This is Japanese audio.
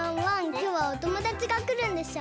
きょうはおともだちがくるんでしょ？